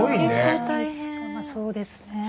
そうですね。